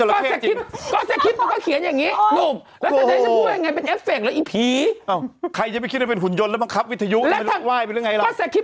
อ้าวไม่ต้องรับเป็นจอดระเทศจริงก็เห็นอยู่อย่างนิ่ม